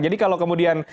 jadi kalau kemudian